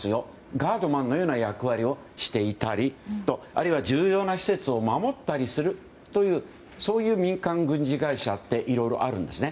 ガードマンのような役割をしていたりあるいは重要な施設を守ったりするというそういう民間軍事会社っていろいろあるんですね。